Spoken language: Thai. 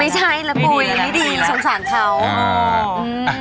ไม่ใช่แล้วโกยไม่ดีสงสารเขาอ่า